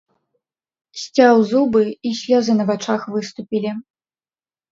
Сцяў зубы, і слёзы на вачах выступілі.